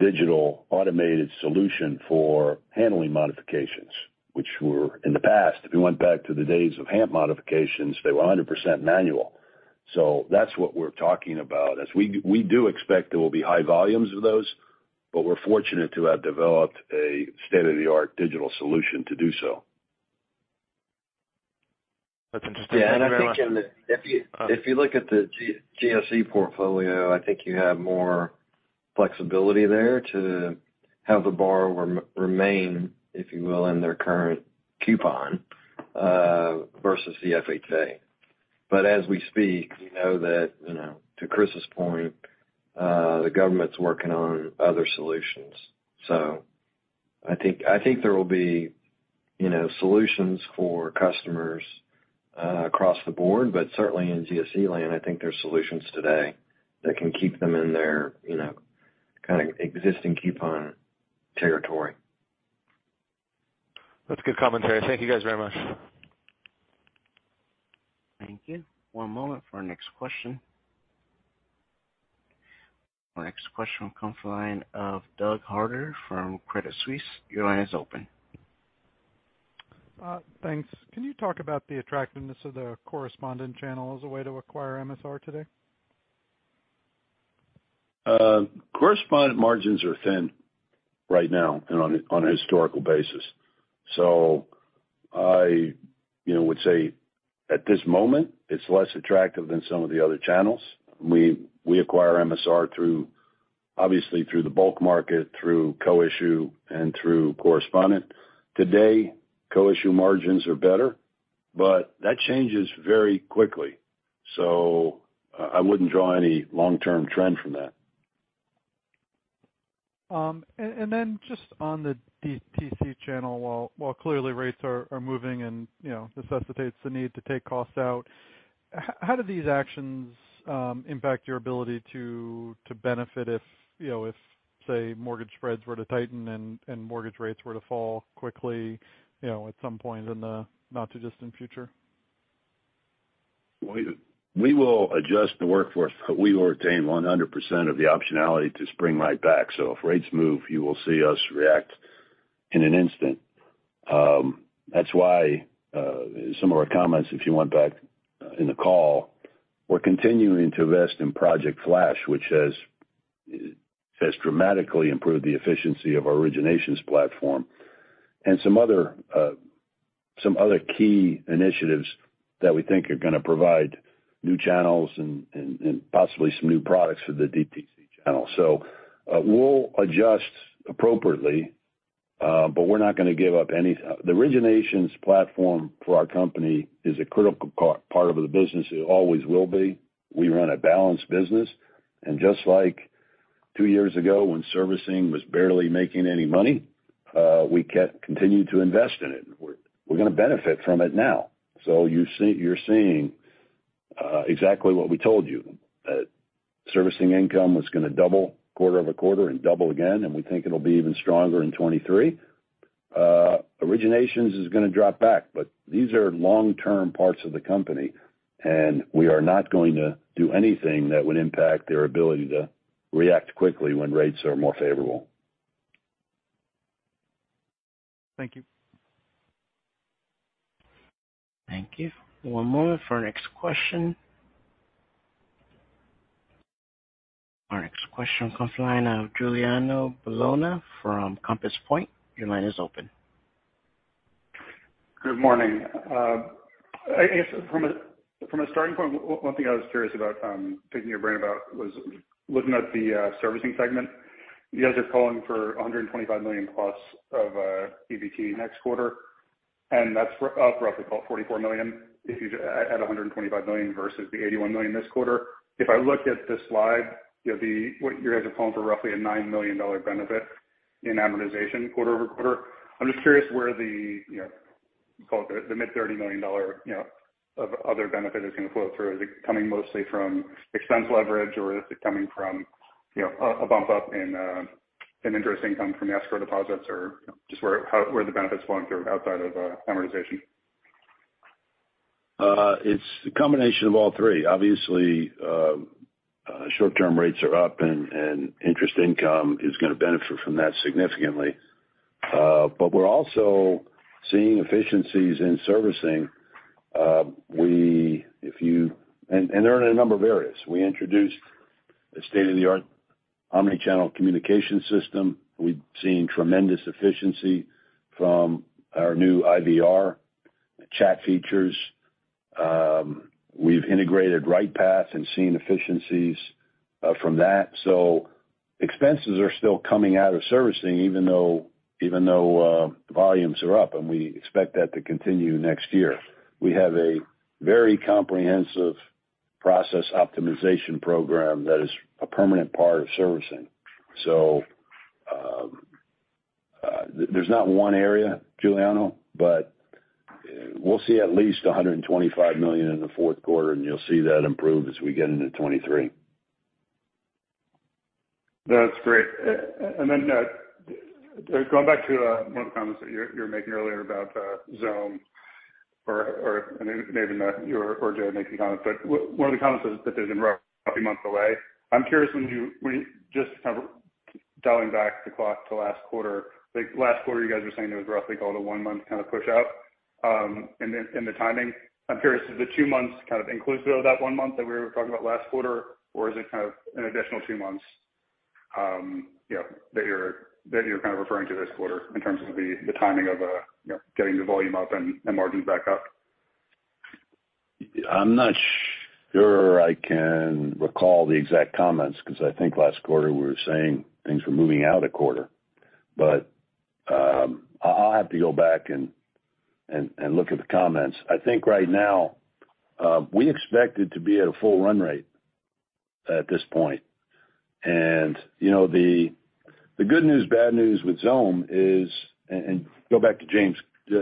digital automated solution for handling modifications, which were in the past. If you went back to the days of HAMP modifications, they were 100% manual. That's what we're talking about. As we do expect there will be high volumes of those, but we're fortunate to have developed a state-of-the-art digital solution to do so. That's interesting. Yeah. I think if you look at the GSE portfolio, I think you have more flexibility there to have the borrower remain, if you will, in their current coupon versus the FHA. But as we speak, we know that, you know, to Chris's point, the government's working on other solutions. I think there will be, you know, solutions for customers across the board, but certainly in GSE land, I think there are solutions today that can keep them in their, you know, kinda existing coupon territory. That's good commentary. Thank you guys very much. Thank you. One moment for our next question. Our next question comes from the line of Douglas Harter from Credit Suisse. Your line is open. Thanks. Can you talk about the attractiveness of the correspondent channel as a way to acquire MSR today? Correspondent margins are thin right now and on a historical basis. I, you know, would say at this moment, it's less attractive than some of the other channels. We acquire MSR through, obviously, through the bulk market, through co-issue and through correspondent. Today, co-issue margins are better, but that changes very quickly. I wouldn't draw any long-term trend from that. Just on the DTC channel, while clearly rates are moving and, you know, necessitates the need to take costs out, how do these actions impact your ability to benefit if, you know, if, say, mortgage spreads were to tighten and mortgage rates were to fall quickly, you know, at some point in the not too distant future? We will adjust the workforce, but we will retain 100% of the optionality to spring right back. If rates move, you will see us react in an instant. That's why in some of our comments, if you went back in the call, we're continuing to invest in Project Flash, which has dramatically improved the efficiency of our originations platform and some other key initiatives that we think are gonna provide new channels and possibly some new products for the DTC channel. We'll adjust appropriately, but we're not gonna give up any. The originations platform for our company is a critical part of the business. It always will be. We run a balanced business. Just like two years ago, when servicing was barely making any money, we kept continuing to invest in it. We're gonna benefit from it now. You're seeing exactly what we told you. That servicing income was gonna double quarter-over-quarter and double again, and we think it'll be even stronger in 2023. Originations is gonna drop back, but these are long-term parts of the company, and we are not going to do anything that would impact their ability to react quickly when rates are more favorable. Thank you. Thank you. One moment for our next question. Our next question comes from the line of Giuliano Bologna from Compass Point. Your line is open. Good morning. I guess from a starting point, one thing I was curious about, picking your brain about was looking at the servicing segment. You guys are calling for $125 million plus of EBT next quarter, and that's up roughly about $44 million if you add $125 million versus the $81 million this quarter. If I look at the slide, you know, what you guys are calling for roughly a $9 million benefit in amortization quarter-over-quarter. I'm just curious where the, you know, call it the mid $30 million, you know, of other benefit is gonna flow through. Is it coming mostly from expense leverage or is it coming from, you know, a bump up in interest income from the escrow deposits or just where are the benefits flowing through outside of amortization? It's a combination of all three. Obviously, short-term rates are up and interest income is gonna benefit from that significantly. We're also seeing efficiencies in servicing. They're in a number of areas. We introduced a state-of-the-art omni-channel communication system. We've seen tremendous efficiency from our new IVR chat features. We've integrated RightPath and seen efficiencies from that. Expenses are still coming out of servicing even though volumes are up, and we expect that to continue next year. We have a very comprehensive process optimization program that is a permanent part of servicing. There's not one area, Giuliano, but we'll see at least $125 million in the fourth quarter, and you'll see that improve as we get into 2023. That's great. Then, going back to one of the comments that you're making earlier about Xome, and it may have been Matt, you or Jay making the comment. One of the comments is that there's been roughly a month away. I'm curious when you just kind of dialing back the clock to last quarter. Like last quarter, you guys were saying it was roughly a one-month kind of pushout in the timing. I'm curious, is the two months kind of inclusive of that one month that we were talking about last quarter? Or is it kind of an additional two months, you know, that you're kind of referring to this quarter in terms of the timing of you know, getting the volume up and margins back up? I'm not sure I can recall the exact comments because I think last quarter we were saying things were moving out a quarter. I'll have to go back and look at the comments. I think right now, we expect it to be at a full run rate at this point. You know, the good news, bad news with Xome is, and go back to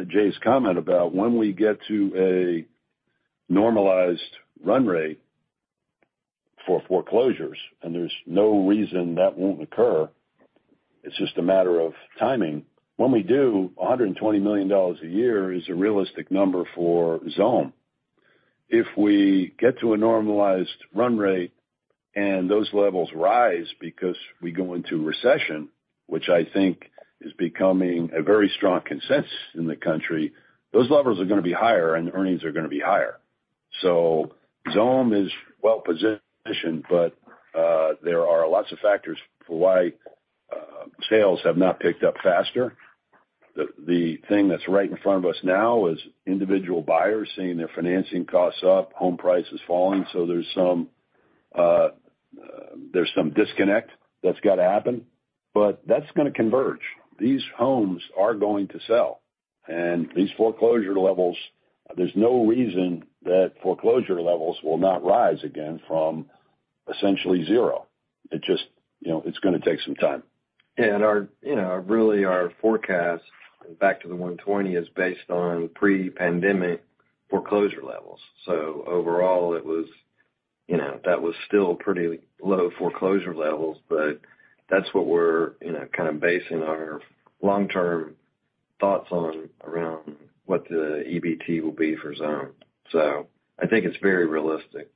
Jay's comment about when we get to a normalized run rate for foreclosures, and there's no reason that won't occur, it's just a matter of timing. When we do, $120 million a year is a realistic number for Xome. If we get to a normalized run rate and those levels rise because we go into recession, which I think is becoming a very strong consensus in the country, those levels are gonna be higher and earnings are gonna be higher. Xome is well-positioned, but there are lots of factors for why sales have not picked up faster. The thing that's right in front of us now is individual buyers seeing their financing costs up, home prices falling, so there's some disconnect that's gotta happen. That's gonna converge. These homes are going to sell. These foreclosure levels, there's no reason that foreclosure levels will not rise again from essentially zero. It just you know, it's gonna take some time. Our, you know, really our forecast back to the 120 is based on pre-pandemic foreclosure levels. Overall, it was, you know, that was still pretty low foreclosure levels, but that's what we're, you know, kind of basing our long-term thoughts on around what the EBT will be for Xome. I think it's very realistic.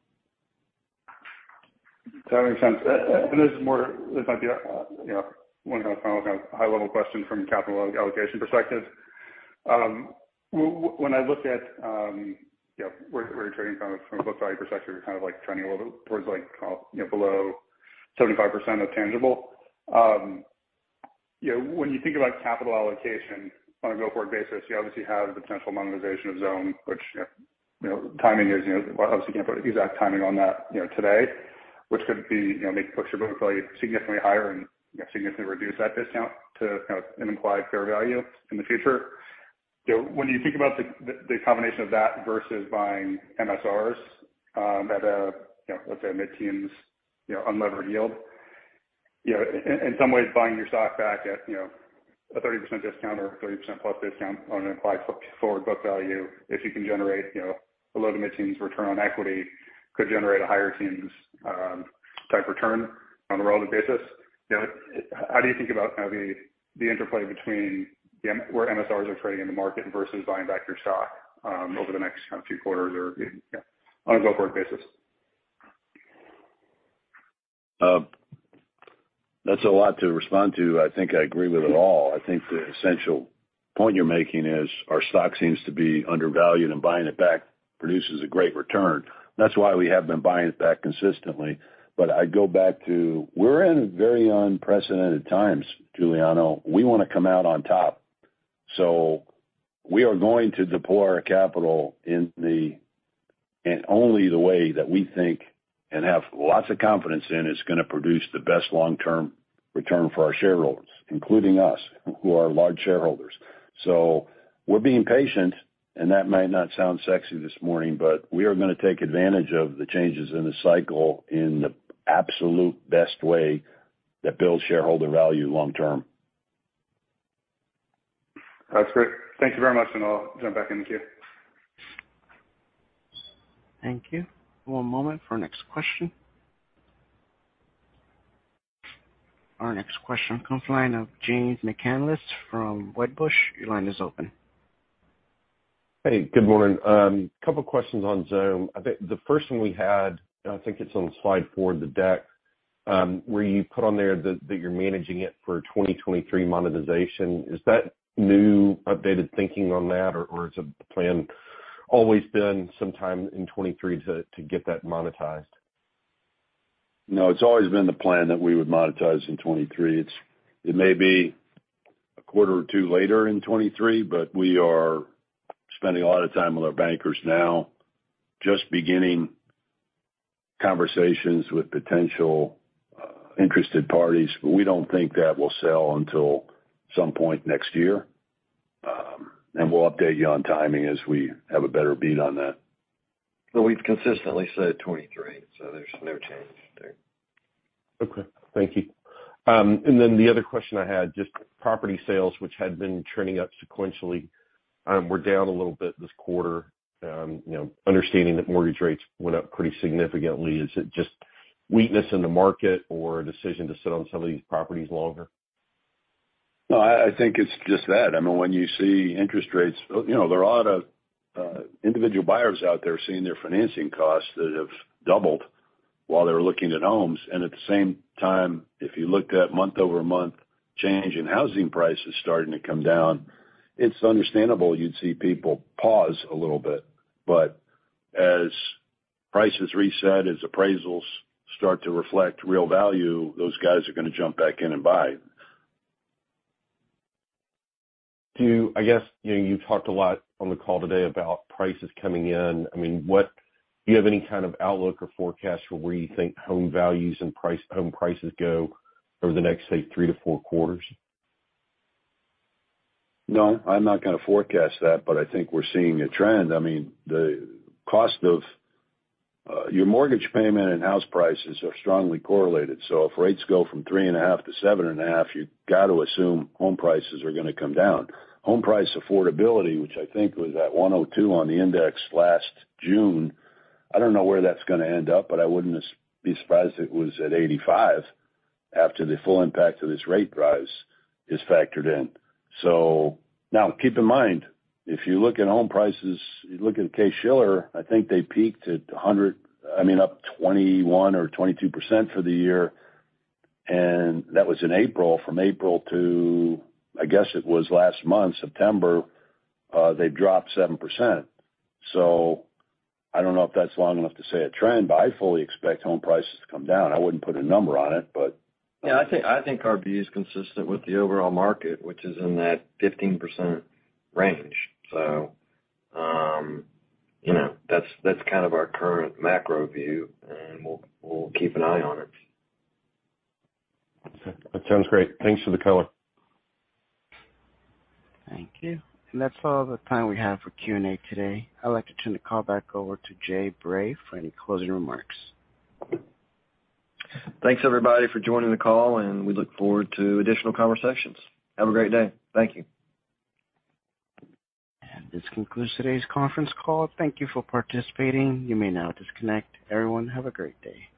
That makes sense. This might be a, you know, one kind of final kind of high-level question from a capital allocation perspective. When I looked at, you know, where you're trading kind of from a book value perspective, you're kind of like trending a little bit towards like, you know, below 75% of tangible. You know, when you think about capital allocation on a go-forward basis, you obviously have the potential monetization of Xome, which, you know, timing is, you know, obviously can't put an exact timing on that, you know, today, which could be, you know, make book-to-book value significantly higher and, you know, significantly reduce that discount to, you know, an implied fair value in the future. You know, when you think about the combination of that versus buying MSRs at a, you know, let's say mid-teens, you know, unlevered yield. You know, in some ways, buying your stock back at, you know, a 30% discount or 30%+ discount on an applied-for forward book value, if you can generate, you know, the low- to mid-teens return on equity, could generate a higher-teens type return on a relative basis. You know, how do you think about how the interplay between the MSR where MSRs are trading in the market versus buying back your stock over the next kind of two quarters or, you know, on a go-forward basis? That's a lot to respond to. I think I agree with it all. I think the essential point you're making is our stock seems to be undervalued, and buying it back produces a great return. That's why we have been buying it back consistently. I go back to we're in very unprecedented times, Giuliano. We wanna come out on top. We are going to deploy our capital in only the way that we think and have lots of confidence in is gonna produce the best long-term return for our shareholders, including us, who are large shareholders. We're being patient, and that might not sound sexy this morning, but we are gonna take advantage of the changes in the cycle in the absolute best way that builds shareholder value long term. That's great. Thank you very much, and I'll jump back in the queue. Thank you. One moment for next question. Our next question comes from the line of James Faucette from Wedbush. Your line is open. Hey, good morning. Couple questions on Xome. I think the first one we had, I think it's on slide 4 of the deck, where you put on there that you're managing it for 2023 monetization. Is that new updated thinking on that, or it's a plan always been sometime in 2023 to get that monetized? No, it's always been the plan that we would monetize in 2023. It may be a quarter or two later in 2023, but we are spending a lot of time with our bankers now, just beginning conversations with potential interested parties, but we don't think that will sell until some point next year. We'll update you on timing as we have a better read on that. We've consistently said 2023, so there's no change there. Okay. Thank you. The other question I had, just property sales, which had been trending up sequentially, were down a little bit this quarter. You know, understanding that mortgage rates went up pretty significantly, is it just weakness in the market or a decision to sit on some of these properties longer? No, I think it's just that. I mean, when you see interest rates, you know, there are a lot of individual buyers out there seeing their financing costs that have doubled while they're looking at homes. At the same time, if you looked at month-over-month change in housing prices starting to come down, it's understandable you'd see people pause a little bit. As prices reset, as appraisals start to reflect real value, those guys are gonna jump back in and buy. Do you, I guess, you know, you've talked a lot on the call today about prices coming in. I mean, what do you have any kind of outlook or forecast for where you think home values and home prices go over the next, say, 3-4 quarters? No, I'm not gonna forecast that, but I think we're seeing a trend. I mean, the cost of your mortgage payment and house prices are strongly correlated. If rates go from 3.5-7.5, you've got to assume home prices are gonna come down. Home price affordability, which I think was at 102 on the index last June, I don't know where that's gonna end up, but I wouldn't be surprised if it was at 85 after the full impact of this rate rise is factored in. Now keep in mind, if you look at home prices, you look at Case-Shiller, I think they peaked at 100. I mean, up 21% or 22% for the year, and that was in April. From April to, I guess it was last month, September, they've dropped 7%. I don't know if that's long enough to say a trend, but I fully expect home prices to come down. I wouldn't put a number on it, but. Yeah, I think our view is consistent with the overall market, which is in that 15% range. You know, that's kind of our current macro view, and we'll keep an eye on it. Okay. That sounds great. Thanks for the color. Thank you. That's all the time we have for Q&A today. I'd like to turn the call back over to Jay Bray for any closing remarks. Thanks, everybody, for joining the call, and we look forward to additional conversations. Have a great day. Thank you. This concludes today's conference call. Thank you for participating. You may now disconnect. Everyone, have a great day.